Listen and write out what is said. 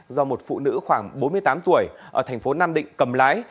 do một phụ nữ khoảng bốn mươi tám tuổi ở thành phố nam định cầm lái